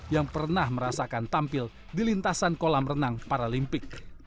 yang pernah merasakan tampil di lintasan kolam renang paralimpik